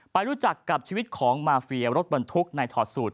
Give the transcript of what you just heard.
รู้จักกับชีวิตของมาเฟียรถบรรทุกในถอดสูตร